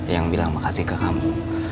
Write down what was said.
yang bilang makasih ke kamu